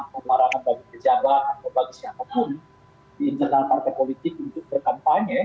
pelarangan bagi pejabat atau bagi siapapun di internal partai politik untuk berkampanye